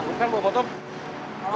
bukan juga temen lo bawa